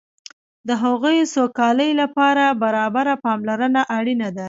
د هغوی سوکالۍ لپاره برابره پاملرنه اړینه ده.